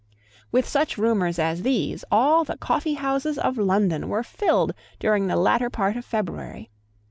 With such rumours as these all the coffeehouses of London were filled during the latter part of February.